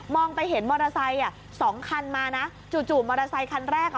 มองไปเห็นมอเตอร์ไซค์๒คันมานะจู่มอเตอร์ไซค์คันแรก